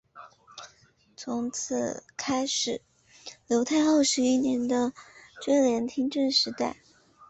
从此开始刘太后十一年的垂帘听政时代。